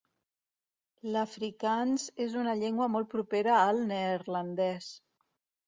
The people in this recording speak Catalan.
L'afrikaans és una llengua molt propera al neerlandès.